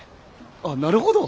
あっなるほど。